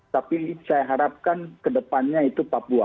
tapi saya harapkan kedepannya itu papua